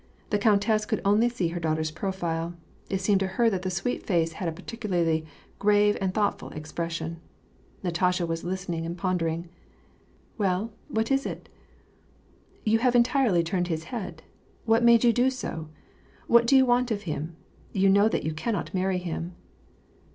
The countess could only see her daughter's profile. It seemed to her that the sweet face had a peculiarly grave and thoughtful expres sion. Natasha was listening and pondering. " Well, what is it ?"" You have entirely turned his head. What made you do so ? What do you want of him ? You know that you cannot marry him.''